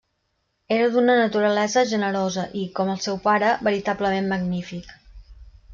Era d'una naturalesa generosa i, com el seu pare, veritablement magnífic.